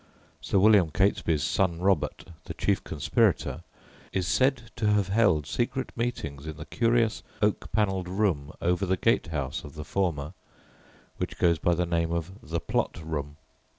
Sir William Catesby's son Robert, the chief conspirator, is said to have held secret meetings in the curious oak panelled room over the gate house of the former, which goes by the name of "the Plot Room."